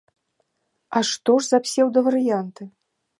А што ж за псеўдаварыянты?